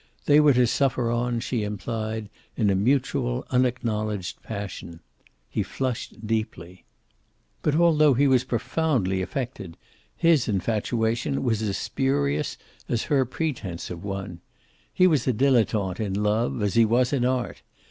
They were to suffer on, she implied, in a mutual, unacknowledged passion. He flushed deeply. But although he was profoundly affected, his infatuation was as spurious as her pretense of one. He was a dilettante in love, as he was in art.